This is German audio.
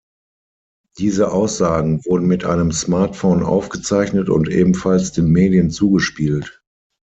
Diese Aussagen wurden mit einem Smartphone aufgezeichnet und ebenfalls den Medien zugespielt.